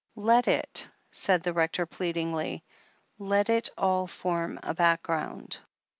Let it/' said the Rector pleadingly, "let it all form a background."